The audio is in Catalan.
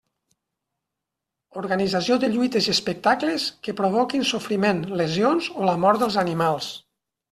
Organització de lluites i espectacles que provoquin sofriment, lesions o la mort dels animals.